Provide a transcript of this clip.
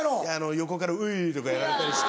横から「おい」とかやられたりして。